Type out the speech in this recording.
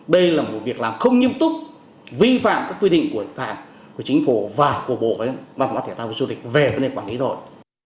đây là một việc làm không nghiêm túc vi phạm các quy định của chính phủ và của bộ văn hóa thể tạo du lịch về vấn đề quản lý đội